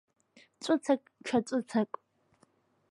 Ҵәыцак, ҽа ҵәыцак…